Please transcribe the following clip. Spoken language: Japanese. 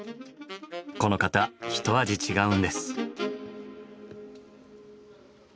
この方一味違うんです。